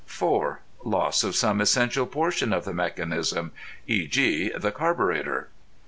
(4) Loss of some essential portion of the mechanism. (E.g., the carburetter.)